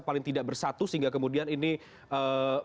paling tidak bersatu sehingga kemudian ini ee